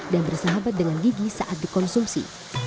dan bersahabat dengan gigi saat dikonsumsi